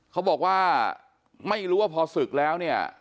เขาบอกว่าไม่รู้ว่าพอศึกแล้วเนี่ย